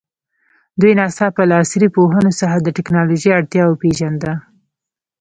دوی ناڅاپه له عصري پوهنو څخه د تکنالوژي اړتیا وپېژانده.